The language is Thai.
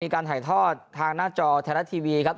มีการถ่ายทอดทางหน้าจอแทนละทีวีครับ